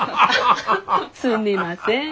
すみません。